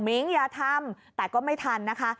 มิ้งอย่าทำแต่ก็ไม่ทันนะคะ